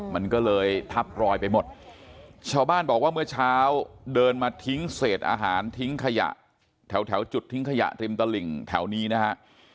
มันก็เลยทับรอยไปหมดชาวบ้านบอกว่าเมื่อเช้าเดินมาทิ้งเศษอาหารทิ้งขยะแถวจุดทิ้งขยะริมตลิ่งแถวนี้นะฮะ